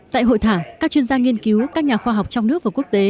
tại hội thảo các chuyên gia nghiên cứu các nhà khoa học trong nước và quốc tế